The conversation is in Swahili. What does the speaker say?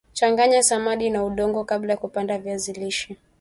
Changanya samadi na udongo kabla ya kupanda viazi lishe